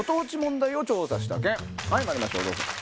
まいりましょうどうぞ。